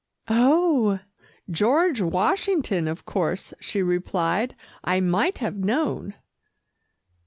"Oh! George Washington, of course," she replied. "I might have known."